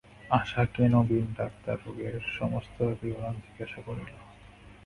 আশাকেনবীন-ডাক্তার রোগের সমস্ত বিবরণ জিজ্ঞাসা করিল।